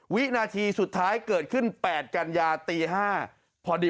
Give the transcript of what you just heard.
วินาทีสุดท้ายเกิดขึ้น๘กันยาตี๕พอดี